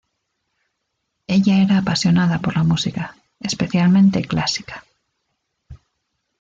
Ella era apasionada por la música, especialmente clásica.